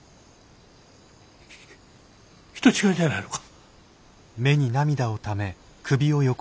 ひ人違いじゃないのか？